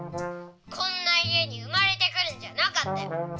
こんな家に生まれてくるんじゃなかったよ。